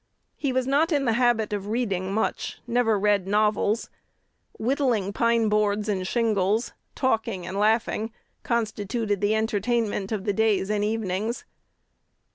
He was not in the habit of reading much, never read novels. Whittling pine boards and shingles, talking and laughing, constituted the entertainment of the days and evenings.